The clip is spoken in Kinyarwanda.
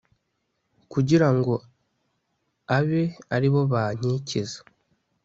kugira ngo abe ari bo bankikiza